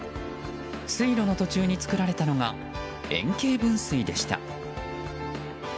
水路の途中に作られたのが円形分水でした。